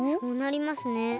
そうなりますね。